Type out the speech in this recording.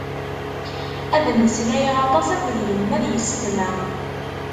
Ad mmeslayeɣ aṭas akked yemma d yessetma.